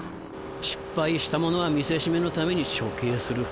失敗した者は見せしめのために処刑する。